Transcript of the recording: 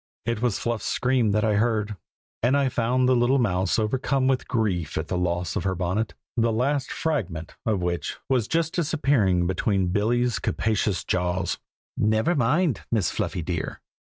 It was Fluff's scream that I heard, and I found the little mouse overcome with grief at the loss of her bonnet, the last fragment of which was just disappearing between Billy's capacious jaws. "Never mind, Miss Fluffy, dear!"